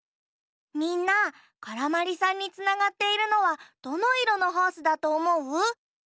みんなからまりさんにつながっているのはどのいろのホースだとおもう？